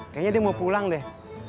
kayaknya dia mau pulang deh